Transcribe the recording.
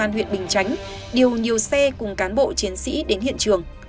huyện bình chánh điều nhiều xe cùng cán bộ chiến sĩ đến hiện trường